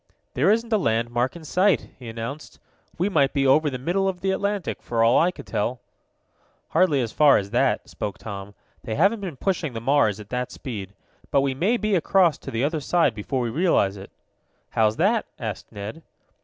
"There isn't a landmark in sight," he announced. "We might be over the middle of the Atlantic, for all I could tell." "Hardly as far as that," spoke Tom. "They haven't been pushing the Mars at that speed. But we may be across to the other side before we realize it." "How's that?" asked Ned.